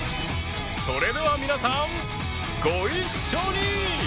それでは皆さんご一緒に！